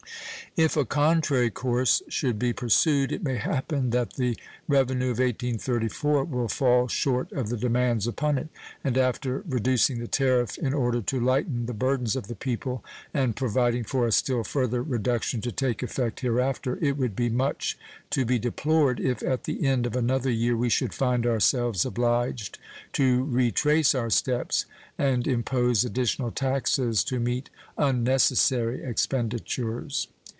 If a contrary course should be pursued, it may happen that the revenue of 1834 will fall short of the demands upon it, and after reducing the tariff in order to lighten the burdens of the people, and providing for a still further reduction to take effect hereafter, it would be much to be deplored if at the end of another year we should find ourselves obliged to retrace our steps and impose additional taxes to meet unnecessary expenditures.